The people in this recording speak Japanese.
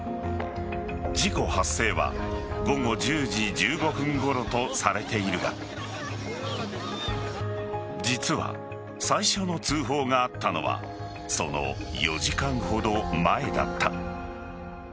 事故発生は午後１０時１５分ごろとされているが実は、最初の通報があったのはその４時間ほど前だった。